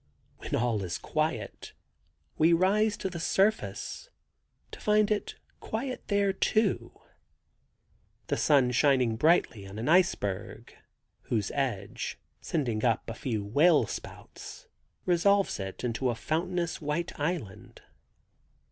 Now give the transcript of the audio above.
When all is quiet we rise to the surface, to find it quiet there, too. The sun shining brightly on an iceberg, whose edge, sending up a few whale spouts, resolves it into a fountainous white island.